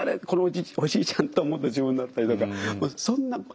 このおじいちゃん！」と思ったら自分だったりとかそんな。